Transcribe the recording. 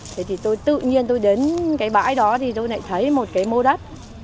thế thì tôi tự nhiên tôi đến cái bãi đó thì tôi lại thấy một cái mô đất